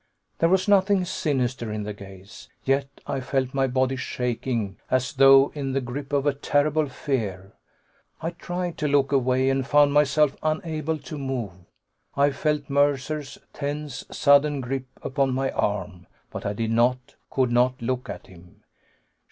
There was nothing sinister in the gaze, yet I felt my body shaking as though in the grip of a terrible fear. I tried to look away, and found myself unable to move. I felt Mercer's tense, sudden grip upon my arm, but I did not, could not, look at him.